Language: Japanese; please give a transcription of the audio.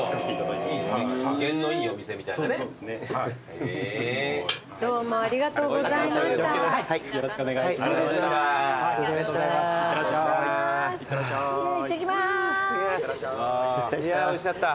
いやおいしかった。